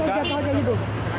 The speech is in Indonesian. tau tau jatuh aja gitu